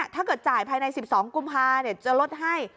ถ้าเกิดจ่ายภายใน๑๒กุมภาจะลดให้